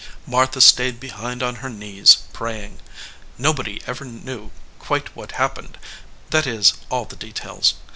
Martha stayed behind on her knees, praying. No body ever knew quite what happened; that is, all the details.